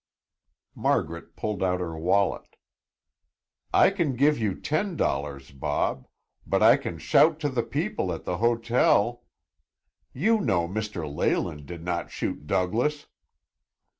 Margaret pulled out her wallet. "I can give you ten dollars, Bob; but I can shout to the people at the hotel. You know Mr. Leyland did not shoot Douglas."